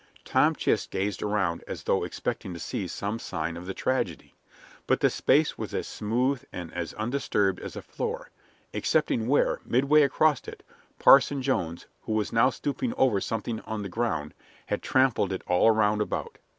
Tom Chist gazed around as though expecting to see some sign of the tragedy, but the space was as smooth and as undisturbed as a floor, excepting where, midway across it, Parson Jones, who was now stooping over something on the ground, had trampled it all around about.